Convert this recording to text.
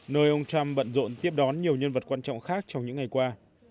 nơi ông trump bận rộn tiếp đón nhiều nhân vật quan trọng khác trong những ngày qua